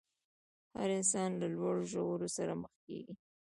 هر انسان له لوړو ژورو سره مخ کېږي.